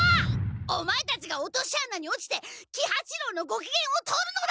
オマエたちが落とし穴に落ちて喜八郎のごきげんを取るのだ！